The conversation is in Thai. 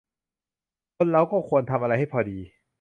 คนเราก็ควรทำอะไรให้พอดี